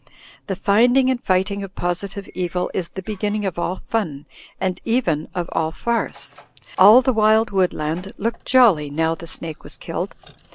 The finding and fighting of positive evil is the be ginning of all fun — and even of all farce. All the wild woodland looked jolly now the snake was killed.